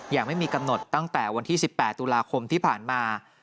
ยังไม่มีกำหนดตั้งแต่วันที่๑๘ตุลาคมที่ผ่านมา